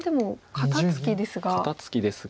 肩ツキですが。